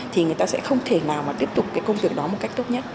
thì người ta sẽ không thể nào mà tiếp tục cái công việc đó một cách tốt nhất